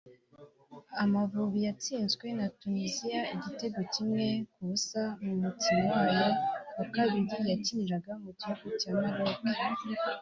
Amavubi yatsinzwe na Tuniziya igitego kimwe ku busa mu mukino wayo wa kabiri yakiniraga mu gihugu cya Maroc